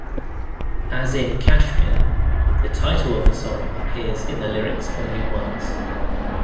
As in "Kashmir", the title of the song appears in the lyrics only once.